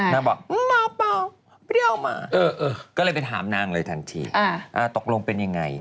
นางบอกมาเป๋าไม่ได้เอามาก็เลยไปถามนางเลยทันทีตกลงเป็นอย่างไร